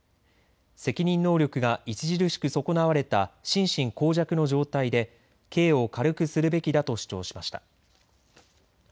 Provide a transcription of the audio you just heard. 責任能力が著しく損なわれた心神耗弱の状態で刑を軽くするべきだと主張しました。